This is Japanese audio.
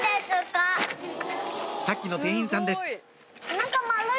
さっきの店員さんです